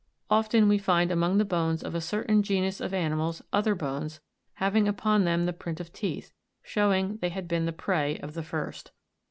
Often we find among the bones of a certain genus of animals other bones, having upon them the print of teeth, showing they had been the prey of the first.